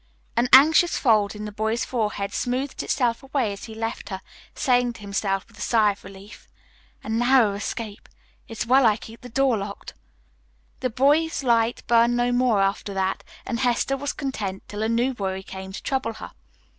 An anxious fold in the boy's forehead smoothed itself away as he left her, saying to himself with a sigh of relief, "A narrow escape; it's well I keep the door locked." The boy's light burned no more after that, and Hester was content till a new worry came to trouble her.